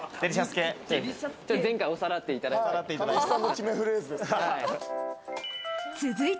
前回おさらっていただいて。